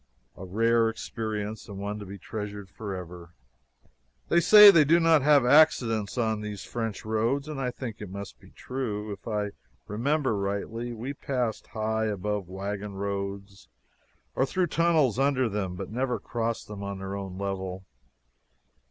A rare experience and one to be treasured forever. They say they do not have accidents on these French roads, and I think it must be true. If I remember rightly, we passed high above wagon roads or through tunnels under them, but never crossed them on their own level.